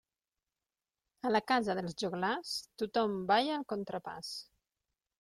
A la casa dels joglars tothom balla el contrapàs.